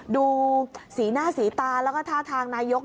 ดูสีหน้าสีตาแล้วก็ท่าทางนายก